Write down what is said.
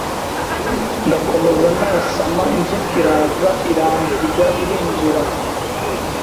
ndakomeza ndasama inzoka iraza irambyiga irinjira